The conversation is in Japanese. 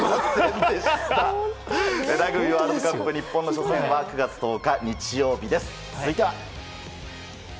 ラグビーワールドカップ日本の初戦は日曜日です。